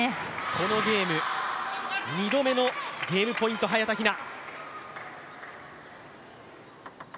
このゲーム、２度目のゲームポイント、早田ひな。